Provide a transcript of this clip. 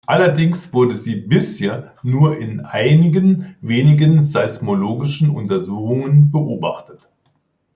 Allerdings wurde sie bisher nur in einigen wenigen seismologischen Untersuchungen beobachtet.